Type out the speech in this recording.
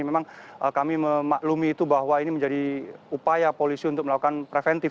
memang kami memaklumi itu bahwa ini menjadi upaya polisi untuk melakukan preventif